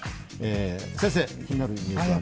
先生、気になるニュースは。